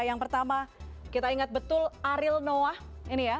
yang pertama kita ingat betul ariel noah ini ya